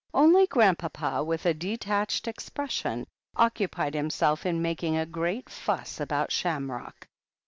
Only Grandpapa, with a detached expression, occu pied himself in making a great fuss about Shamrock.